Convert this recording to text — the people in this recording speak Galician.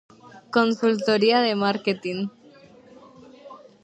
Consultoría de márketing.